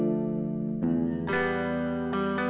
gak ada yang peduli